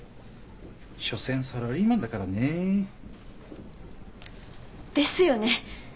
しょせんサラリーマンだからね。ですよね。